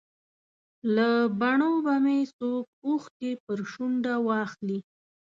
له بڼو به مې څوک اوښکې پر شونډه واخلي.